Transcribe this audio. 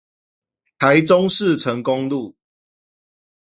台中市成功路